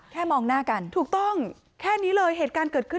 มองหน้ากันถูกต้องแค่นี้เลยเหตุการณ์เกิดขึ้น